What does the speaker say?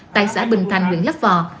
tại xã bình thành huyện lắp vò